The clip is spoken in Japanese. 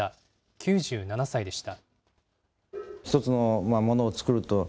９７歳でした。